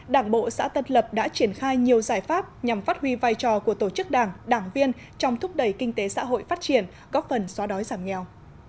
đảng bộ xã tân lập đã triển khai nhiều giải pháp nhằm phát huy vai trò của tổ chức đảng đảng viên trong thúc đẩy kinh tế xã hội phát triển góp phần xóa đói giảm nghèo